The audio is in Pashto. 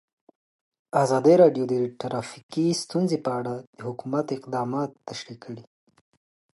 ازادي راډیو د ټرافیکي ستونزې په اړه د حکومت اقدامات تشریح کړي.